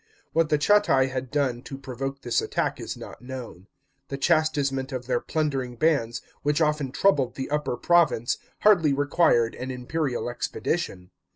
What the Chatti had done to provoke this attack, is not known. The chastisement of their plundering bands, which often troubled the Upper province, hardly required an imperial expedition.